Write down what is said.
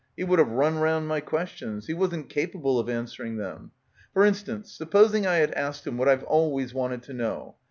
He would have run round my questions. He wasn't capable of an swering «them. For instance, supposing I had asked him what I've always wanted to know.